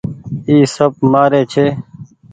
اي سب مهآري ڇي